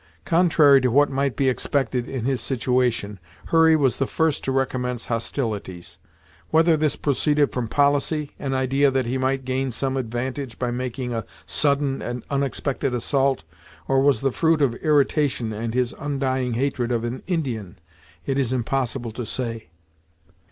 Contrary to what might be expected in his situation, Hurry was the first to recommence hostilities. Whether this proceeded from policy, an idea that he might gain some advantage by making a sudden and unexpected assault, or was the fruit of irritation and his undying hatred of an Indian, it is impossible to say.